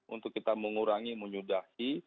untuk kita mengurangi menyudahi